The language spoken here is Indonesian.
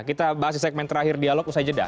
kita bahas di segmen terakhir dialog usai jeda